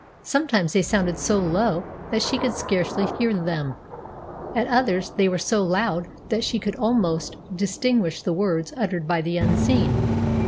Sometimes they sounded so low that she could scarcely hear them; at others they were so loud that she could almost distinguish the words uttered by the unseen.